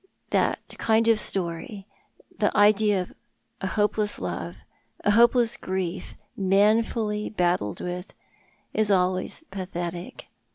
"That kind of story — the idea of a hopeless love, a hopeless grief, manfully battled with— is always pathetic.